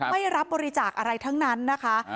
ไม่รับบริจาคอะไรทั้งนั้นนะคะ